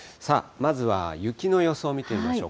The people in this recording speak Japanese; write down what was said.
まずは雪の予想を見てみましょう。